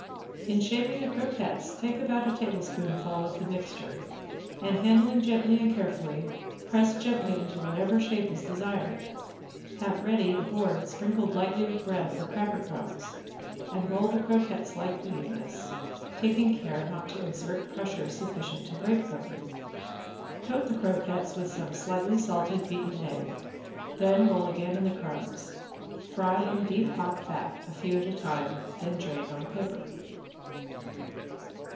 In shaping the croquettes take about a tablespoonful of the mixture and handling gently and carefully, press gently into whatever shape is desired. Have ready a board sprinkled lightly with bread or cracker crumbs, and roll the croquettes lightly in this, taking care not to exert pressure sufficient to break them. Coat the croquettes with some slightly salted beaten egg. Then roll again in the crumbs. Fry in deep hot fat, a few at a time, then drain on paper.